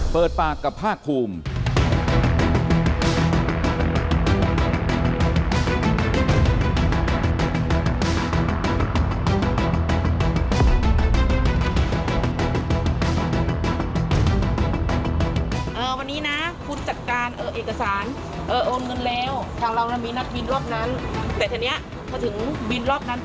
เปิดปากกับภาคภูมิ